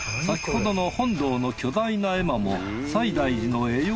先ほどの本堂の巨大な絵馬も西大寺の会